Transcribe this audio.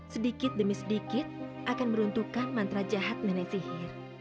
sedikit demi sedikit akan meruntuhkan mantra jahat nenek sihir